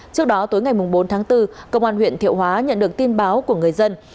trước đó tối ngày bốn tháng bốn công an huyện thiệu hóa nhận được tin báo của người dân